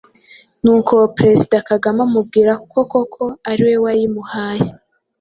Nuko Perezida Kagame amubwira ko koko ari we wayimuhaye,